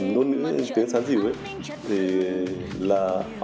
đồng chí sẽ dịch ra tiếng sáng dịu nó như thế nào